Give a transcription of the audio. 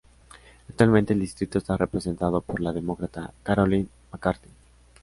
Actualmente el distrito está representado por la Demócrata Carolyn McCarthy.